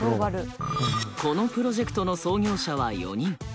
このプロジェクトの創業者は４人。